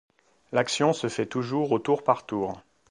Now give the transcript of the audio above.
L'action se fait toujours au tour par tour.